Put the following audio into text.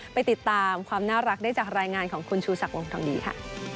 ไปติดตามความน่ารักได้จากรายงานของคุณชูศักดิ์วงทองดีค่ะ